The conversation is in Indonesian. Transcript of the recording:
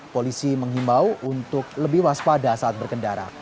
polisi menghimbau untuk lebih waspada saat berkendara